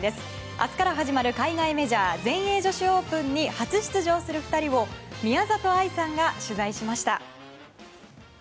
明日から始まる海外メジャー全英女子オープンに初出場する２人を宮里藍さんが取材しました。